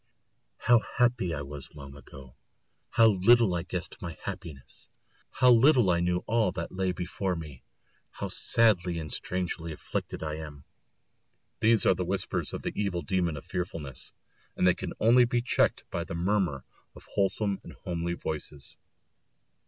"How happy I was long ago; how little I guessed my happiness; how little I knew all that lay before me; how sadly and strangely afflicted I am!" These are the whispers of the evil demon of fearfulness; and they can only be checked by the murmur of wholesome and homely voices.